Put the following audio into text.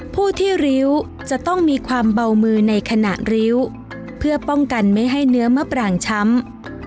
ผู้ที่ริ้วจะต้องมีความเบามือในขณะริ้วเพื่อป้องกันไม่ให้เนื้อมะปรางช้ำ